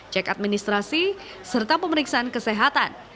cek administrasi serta pemeriksaan kesehatan